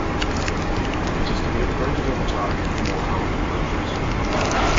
It is to be upgraded over time with more powerful versions.